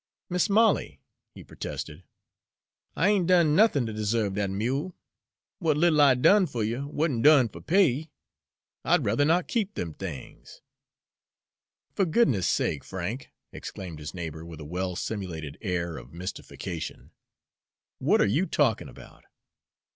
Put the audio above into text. "Mis' Molly," he protested, "I ain't done nuthin' ter deserve dat mule. W'at little I done fer you wa'n't done fer pay. I'd ruther not keep dem things." "Fer goodness' sake, Frank!" exclaimed his neighbor, with a well simulated air of mystification, "what are you talkin' about?"